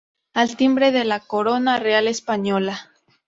Al timbre la Corona Real Española.